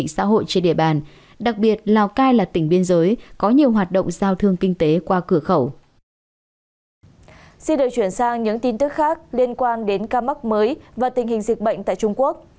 xin được chuyển sang những tin tức khác liên quan đến ca mắc mới và tình hình dịch bệnh tại trung quốc